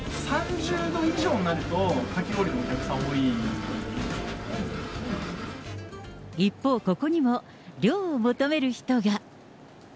３０度以上になると、一方、ここにも涼を求める人が。